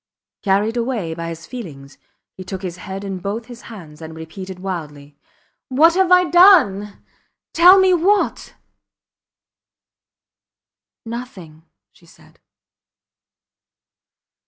Carried away by his feelings he took his head in both his hands and repeated wildly: What have I done? ... Tell me! What? ... Nothing, she said.